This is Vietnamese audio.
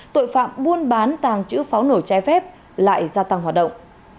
tội phạm buôn bán tàng trữ pháo nổi trái phép lại gia tăng hoạt động